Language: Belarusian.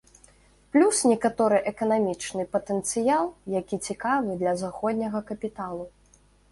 Плюс некаторы эканамічны патэнцыял, які цікавы для заходняга капіталу.